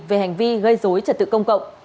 về hành vi gây dối trật tự công cộng